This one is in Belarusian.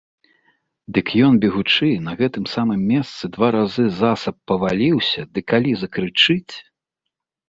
Дык ён, бегучы, на гэтым самым месцы два разы засаб паваліўся ды калі закрычыць!